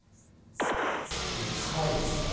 君はかわいいねんから。